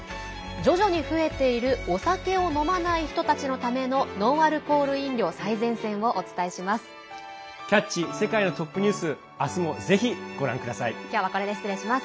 徐々に増えているお酒を飲まない人たちのためのノンアルコール飲料最前線をお伝えします。